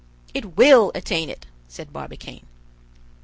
"It will attain it," said Barbicane.